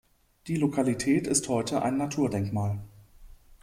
Die Lokalität ist heute ein Naturdenkmal.